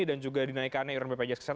dan juga dinaikannya iuran bpjs